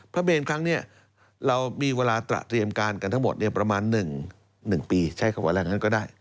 พระเมนครั้งนี้เรามีเวลาตระเตรียมการกันทั้งหมดประมาณ๑ปีใช้คำว่าแรงนั้นก็ได้